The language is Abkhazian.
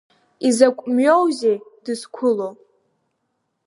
Изакә мҩоузеи дызқәыло?